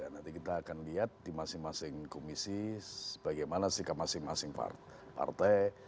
nanti kita akan lihat di masing masing komisi bagaimana sikap masing masing partai